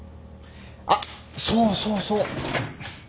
あっそうそうそう。